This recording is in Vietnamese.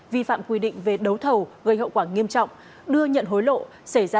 vi phạm quy định về đấu thầu gây hậu quả nghiêm trọng đưa nhận hối lộ xảy ra